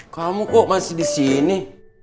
kamu kok masih disini